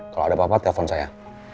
kalau ada apa apa telpon saya